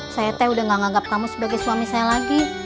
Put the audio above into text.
saya teh udah gak nganggap kamu sebagai suami saya lagi